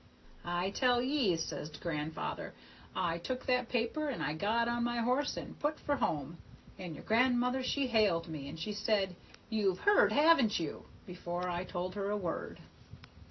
'I tell ye,' says gran'ther, 'I took that paper, and I got on my horse and put for home, and your grandmother she hailed me, and she said, "You've heard, haven't you?" before I told her a word.'